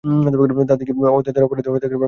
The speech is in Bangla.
তাতেই কি তাদের বড় অপরাধী হওয়া থেকে বাচাতে পারব?